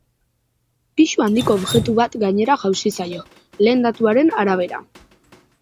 Pisu handiko objektu bat gainera jausi zaio, lehen datuen arabera.